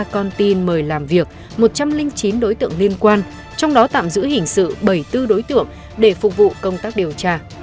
ba con tin mời làm việc một trăm linh chín đối tượng liên quan trong đó tạm giữ hình sự bảy mươi bốn đối tượng để phục vụ công tác điều tra